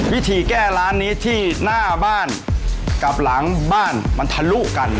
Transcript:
วิธีแก้ร้านนี้ที่หน้าบ้านกับหลังบ้านมันทะลุกัน